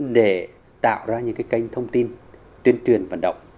để tạo ra những cái kênh thông tin tuyên truyền vận động